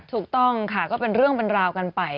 ถูกต้องค่ะก็เป็นเรื่องเป็นราวกันไป